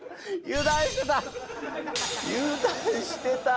油断してた。